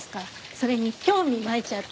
それに興味湧いちゃって。